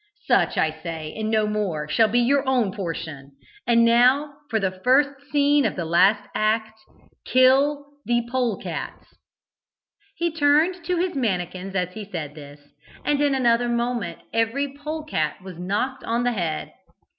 Such, I say, and no more, shall be your own portion. And now for the first scene of the last act. Kill the polecats!" He turned to his mannikins as he said this, and in another moment every polecat was knocked on the head.